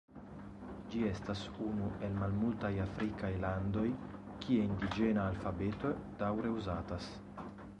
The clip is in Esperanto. Ĝi estas unu el malmultaj afrikaj landoj, kie indiĝena alfabeto daŭre uzatas.